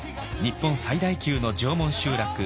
日本最大級の縄文集落